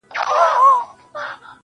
له ما پـرته وبـــل چــــــاتــــــه.